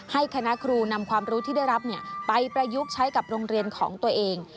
ให้คณะครูนำความรู้ที่ได้รับไปประยุกต์ใช้กับโรงเรียนของตัวเอง